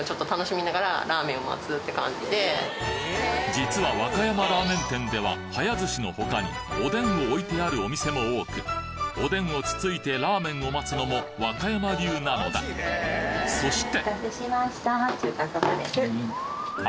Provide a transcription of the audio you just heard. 実は和歌山ラーメン店では早ずしの他におでんを置いてあるお店も多くおでんをつついてラーメンを待つのも和歌山流なのだそしてお待たせしました。